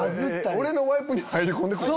俺のワイプに入り込んで来るの？